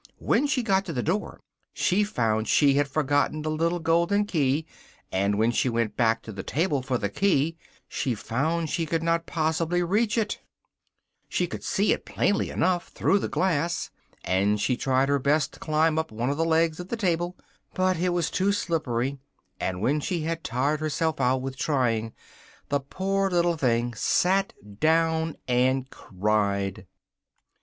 when she got to the door, she found she had forgotten the little golden key, and when she went back to the table for the key, she found she could not possibly reach it: she could see it plainly enough through the glass, and she tried her best to climb up one of the legs of the table, but it was too slippery, and when she had tired herself out with trying, the poor little thing sat down and cried.